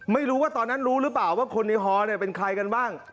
ไม่รู้ว่าตอนนั้นรู้หรือเปล่าว่าคนในฮอเป็นใครกันบ้าง